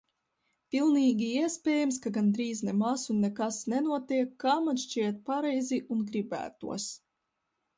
Pilnīgi iespējams, ka gandrīz nemaz un nekas nenotiek, kā man šķiet pareizi un gribētos.